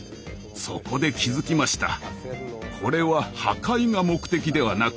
そこで気付きました。